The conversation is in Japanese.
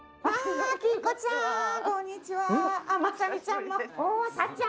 こんにちは。